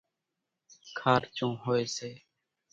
کارچون هوئيَ سي۔